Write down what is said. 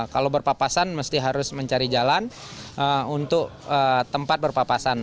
kalau berpapasan mesti harus mencari jalan untuk tempat berpapasan